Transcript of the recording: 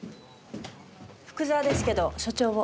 福沢ですけど所長を。